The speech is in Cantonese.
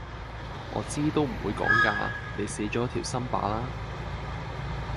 我知都唔會講㗎⋯你死左條心罷啦～